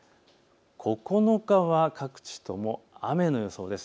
９日は各地とも雨の予想です。